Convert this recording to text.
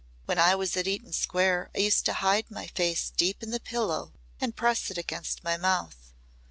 When I was at Eaton Square I used to hide my face deep in the pillow and press it against my mouth.